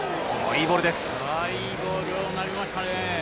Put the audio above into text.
いいボールを投げましたね。